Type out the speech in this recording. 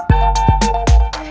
kau mau kemana